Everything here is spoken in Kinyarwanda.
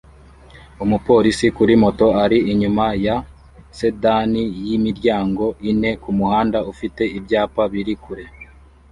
Umupolisi kuri moto ari inyuma ya sedan yimiryango ine kumuhanda ufite ibyapa biri kure